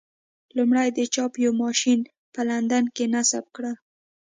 لومړی د چاپ یو ماشین په لندن کې نصب کړل.